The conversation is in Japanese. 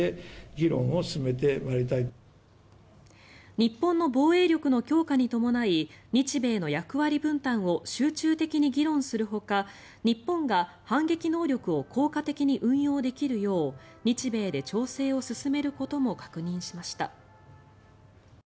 日本の防衛力の強化に伴い日米の役割分担を集中的に議論するほか日本が反撃能力を効果的に運用できるよう日米で調整を進めることも確認しました。